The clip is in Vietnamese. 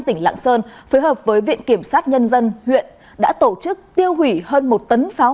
tỉnh lạng sơn phối hợp với viện kiểm sát nhân dân huyện đã tổ chức tiêu hủy hơn một tấn pháo